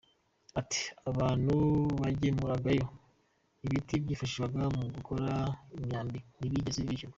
Ati "Abantu bagemuragayo ibiti byifashishwaga mu gukora imyambi ntibigeze bishyurwa.